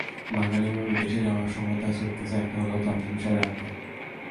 বাঙালি মেয়ে বিদেশে যাওয়ার সময় তার স্যুটকেসে একটা হলেও জামদানি শাড়ি রাখবেই।